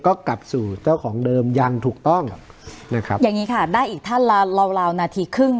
ก็กลับสู่เจ้าของเดิมอย่างถูกต้องนะครับอย่างงี้ค่ะได้อีกท่านละราวราวนาทีครึ่ง